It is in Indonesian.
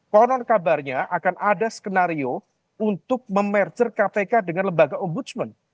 konon kabarnya akan ada skenario untuk memerger kpk dengan lembaga ombudsman